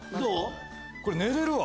これ寝れるわ！わ！